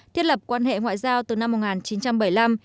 thiết lập quan hệ ngoại giao từ năm một nghìn chín trăm bảy mươi năm